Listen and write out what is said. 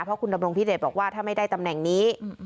เพราะคุณดำรงพิเดชบอกว่าถ้าไม่ได้ตำแหน่งนี้